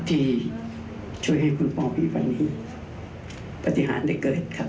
ที่ช่วยให้คุณปอพี่วันนี้ปฏิหารได้เกิดครับ